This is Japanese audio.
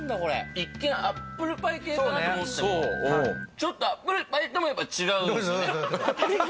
一見、アップルパイ系かなと思っても、ちょっとアップルパイとも違う。